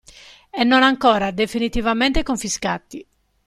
E non ancora definitivamente confiscati.